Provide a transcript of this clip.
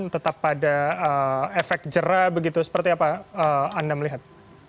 tetap pada efek jerah begitu seperti apa anda melihat